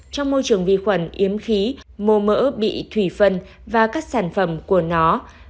trong môi trường vi khuẩn yếm khí mô mỡ bị thủy phân và các sản phẩm của nó